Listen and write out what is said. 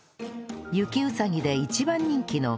雪うさぎで一番人気の